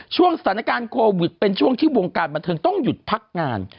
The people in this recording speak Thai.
ช่วงสถานการณ์โควิดเป็นช่วงที่วงการบันเทิงต้องหยุดพักงาน